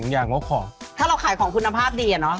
ถ้าเราขายของคุณภาพดีเนอะ